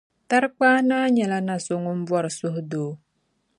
Tarikpaa Naa nyɛla na so ŋun bɔri suhudoo.